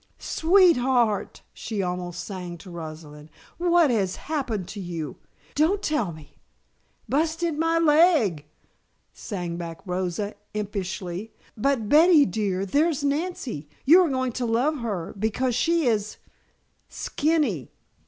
"Sweet heart!" she almost sang to Rosalind. "What has happened to you? Don't tell me " "Busted me leg!" sang back Rosa, impishly. "But, Betty dear, there's Nancy. You are going to love her because she is skinny!"